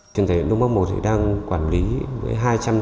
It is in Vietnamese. tuyên thầy lũ mắc một đang quản lý với hai trăm năm mươi